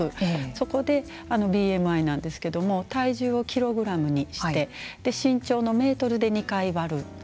そこでＢＭＩなんですけども体重をキログラムにして身長のメートルで２回割る。